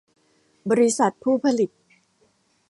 บริษัทผู้ผลิต